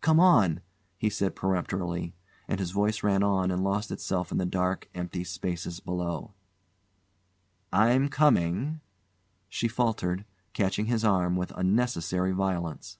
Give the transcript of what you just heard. "Come on!" he said peremptorily, and his voice ran on and lost itself in the dark, empty spaces below. "I'm coming," she faltered, catching his arm with unnecessary violence.